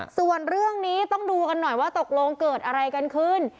ส่วนเรื่องนี้ต้องดูกันหน่อยว่าตกลงเกิดอะไรกันขึ้น